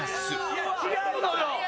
いや違うのよ！